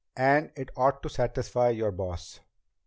And it ought to satisfy your boss."